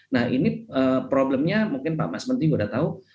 nah ini problemnya mungkin pak mas menteri sudah tahu